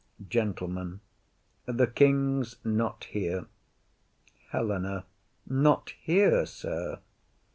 GENTLEMAN. The king's not here. HELENA. Not here, sir?